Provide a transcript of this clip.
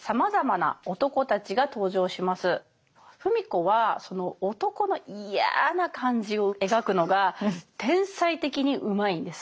芙美子はその男のイヤな感じを描くのが天才的にうまいんです。